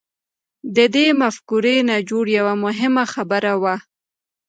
د دې مفکورې نچوړ يوه مهمه خبره وه.